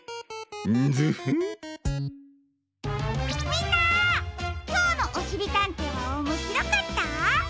みんなきょうの「おしりたんてい」はおもしろかった？